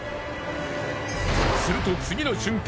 すると次の瞬間